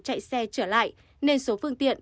chạy xe trở lại nên số phương tiện